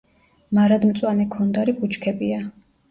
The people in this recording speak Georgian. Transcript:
მარადმწვანე ქონდარი ბუჩქებია.